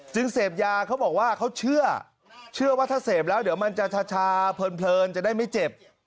เสพยาเขาบอกว่าเขาเชื่อเชื่อว่าถ้าเสพแล้วเดี๋ยวมันจะชาเพลินจะได้ไม่เจ็บ